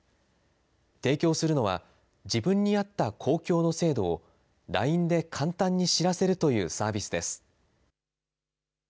提供するのは、自分に合った公共の制度を、ＬＩＮＥで簡単に知らせるというサービスです。